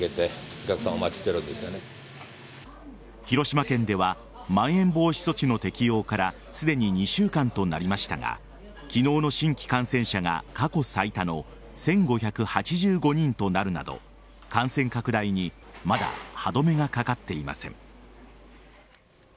広島県ではまん延防止措置の適用からすでに２週間となりましたが昨日の新規感染者が過去最多の１５８５人となるなど感染拡大にまだ歯止めがかかっていません。